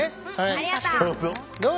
ありがとう。